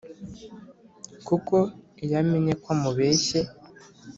kuko iyo amenye ko umubeshye